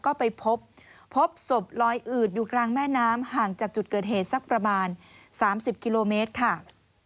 ก็ไปพบพบศพลอยอืดอยู่กลางแม่น้ำห่างจากจุดเกิดเหตุสักประมาณ๓๐กิโลเมตรค่ะ